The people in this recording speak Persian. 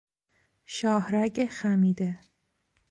شاهرگ خمیده